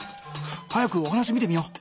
早くお話見てみよう。